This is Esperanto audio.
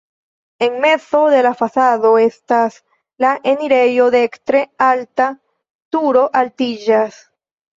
En mezo de la fasado estas la enirejo, dekstre alta turo altiĝas.